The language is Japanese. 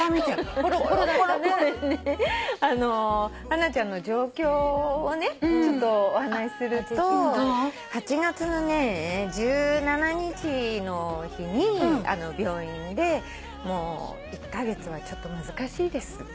ハナちゃんの状況をねちょっとお話しすると８月の１７日の日に病院で「１カ月はちょっと難しいです」って。